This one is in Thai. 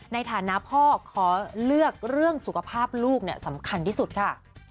ในฐานะพ่อขอเลือกเรื่องสุขภาพลูกสำคัญที่สุดค่ะ